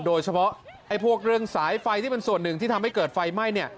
โดยเฉพาะไอ้พวกเรื่องสายไฟที่เป็นส่วนหนึ่งที่ทำให้เกิดไฟไหม้เนี่ย